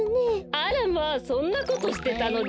あらまあそんなことしてたのね。